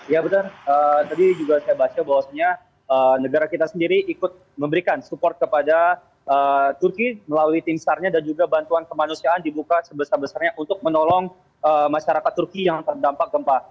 ya betul tadi juga saya baca bahwasannya negara kita sendiri ikut memberikan support kepada turki melalui timsarnya dan juga bantuan kemanusiaan dibuka sebesar besarnya untuk menolong masyarakat turki yang terdampak gempa